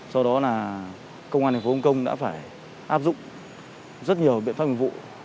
sau đó là công an thành phố hồng kông đã phải áp dụng rất nhiều biện pháp mục vụ